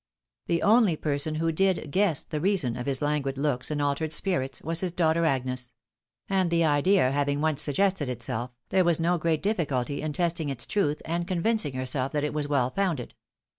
The only person who did guess the reason of his languid looks and altered spirits, was his daughter Agnes ; and the idea having once suggested itseU', there was no great difficulty in testing its truth and convincing herself that it was well founded.